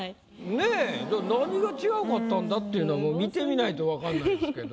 ねぇ何が違かったんだ？っていうのはもう見てみないと分からないですけど。